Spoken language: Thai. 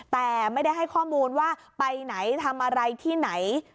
แต่ไม่ได้ให้ข้อมูลว่าไปไหนทำอะไรที่ไหน